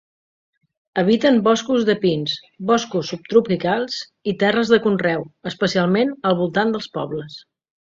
Habiten boscos de pins, boscos subtropicals i terres de conreu, especialment al voltant dels pobles.